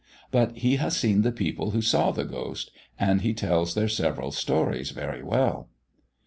But he has seen the people who saw the ghost, and he tells their several stories very well."